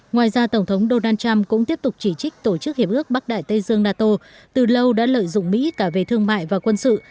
ngoài ra tổng thống donald trump cũng tiếp tục chỉ trích tổ chức hiệp ước bắc đại tây dương nato từ lâu đã lợi dụng mỹ cả về thương mại và quân sự